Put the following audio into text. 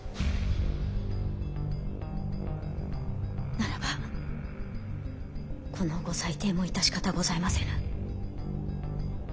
ならばこのご裁定も致し方ございませぬ。